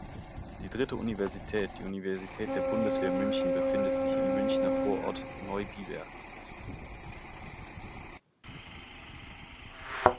Die dritte Universität, die Universität der Bundeswehr München befindet sich im Münchner Vorort Neubiberg.